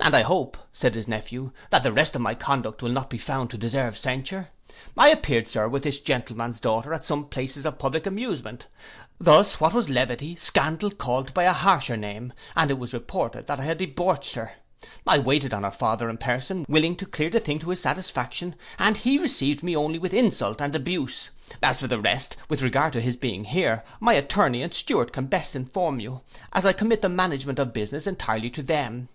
'And I hope,' said his nephew, 'that the rest of my conduct will not be found to deserve censure. I appeared, Sir, with this gentleman's daughter at some places of public amusement; thus what was levity, scandal called by a harsher name, and it was reported that I had debauched her. I waited on her father in person, willing to clear the thing to his satisfaction, and he received me only with insult and abuse. As for the rest, with regard to his being here, my attorney and steward can best inform you, as I commit the management of business entirely to them.